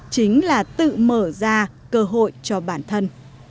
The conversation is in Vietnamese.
chính là tự mở ra cơ hội cho bản thân